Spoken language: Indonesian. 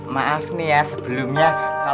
maaf nih ya sebelumnya